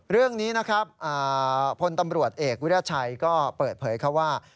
เรื่องนี้นะครับพลตำรวจเอกวิราชัยก็เปิดเผยเขาว่า